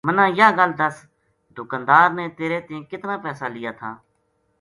منا یاہ گل دس دکاندار نے تیرے تیں کتنا پیسہ لیا تھا